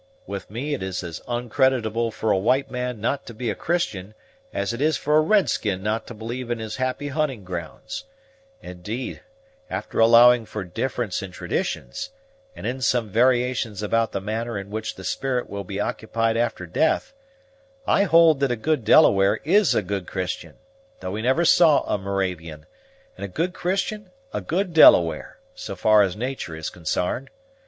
With me, it is as on creditable for a white man not to be a Christian as it is for a red skin not to believe in his happy hunting grounds; indeed, after allowing for difference in traditions, and in some variations about the manner in which the spirit will be occupied after death, I hold that a good Delaware is a good Christian, though he never saw a Moravian; and a good Christian a good Delaware, so far as natur 'is consarned.